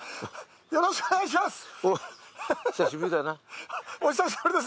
よろしくお願いします！